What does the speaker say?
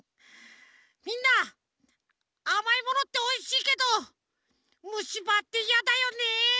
みんなあまいものっておいしいけどむしばっていやだよね。